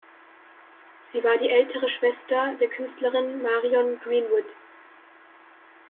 Sie war die ältere Schwester der Künstlerin Marion Greenwood.